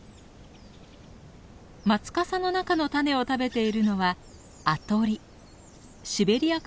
マツかさの中の種を食べているのはアトリ。